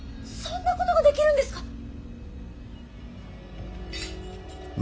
そんなことができるんですか！